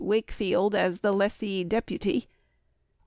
Wakefield as the "Lessee deputy."